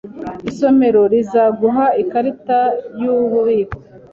Isomero rizaguha ikarita yububiko.